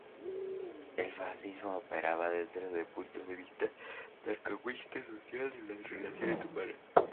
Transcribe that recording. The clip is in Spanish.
El fascismo operaba desde un punto de vista darwinista social de las relaciones humanas.